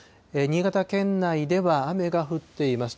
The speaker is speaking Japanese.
新潟県内では雨が降っています。